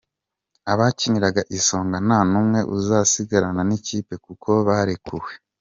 Abakiniraga Isonga nta n’umwe uzasigarana n’ikipe kuko barekuwe.